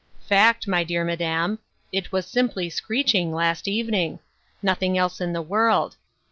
"Fact, my dear Madam. It was simply screeching, last evening; nothing else in the world.